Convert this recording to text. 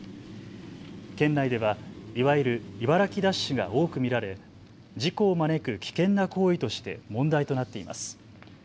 県内ではいわゆる茨城ダッシュが多く見られ事故を招く危険な行為として問題となっています。